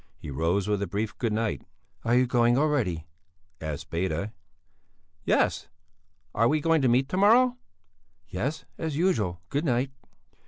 He rose with a brief good night. "Are you going already?" asked Beda. "Yes; are we going to meet to morrow?" "Yes, as usual. Good night."